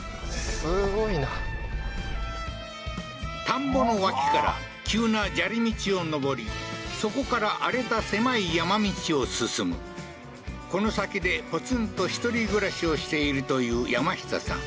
田んぼの脇から急な砂利道を上りそこから荒れた狭い山道を進むこの先でポツンと１人暮らしをしているという山下さん